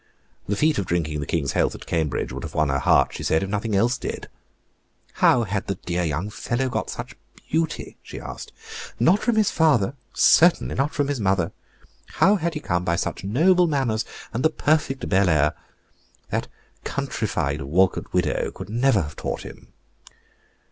The feat of drinking the King's health at Cambridge would have won her heart, she said, if nothing else did. "How had the dear young fellow got such beauty?" she asked. "Not from his father certainly not from his mother. How had he come by such noble manners, and the perfect bel air? That countrified Walcote widow could never have taught him."